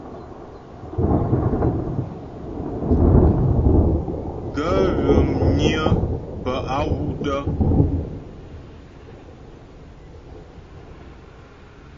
Gaə̂ ghə̀ mnyə́ bə a wú’ tə'.